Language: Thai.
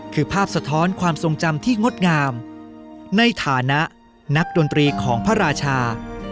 คือภาพสะท้อนความทรงจำที่งดงามในฐานะนักดนตรีของพระราชา